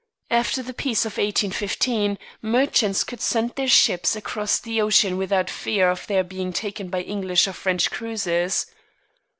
After the peace of 1815, merchants could send their ships across the ocean without fear of their being taken by English or French cruisers.